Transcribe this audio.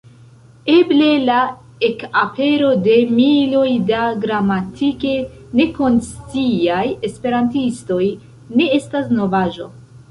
Eble la ekapero de miloj da gramatike nekonsciaj esperantistoj ne estas novaĵo.